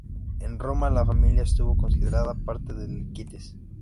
En Roma, la familia estuvo considerada parte del Équites.